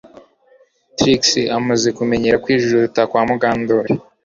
Trix amaze kumenyera kwijujuta kwa Mukandoli